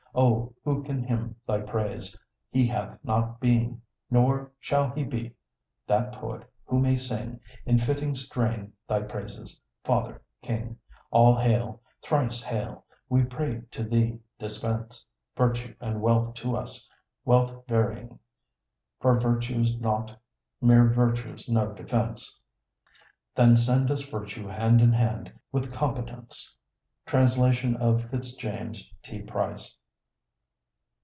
Oh, who can hymn thy praise? he hath not been, Nor shall he be, that poet who may sing In fitting strain thy praises Father, King, All hail! thrice hail! we pray to thee, dispense Virtue and wealth to us, wealth varying For virtue's naught, mere virtue's no defense; Then send us virtue hand in hand with competence. Translation of Fitzjames T. Price.